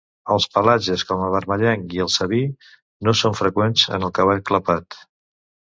Els pelatges com el vermellenc i el saví no són freqüents en el cavall clapat.